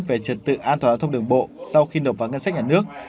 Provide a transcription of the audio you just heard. về trật tự an toàn giao thông đường bộ sau khi nộp vào ngân sách nhà nước